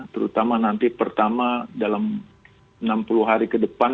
terutama nanti pertama dalam enam puluh hari ke depan